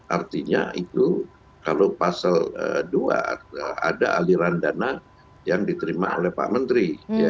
artinya itu kalau pasal dua ada aliran dana yang diterima oleh pak menteri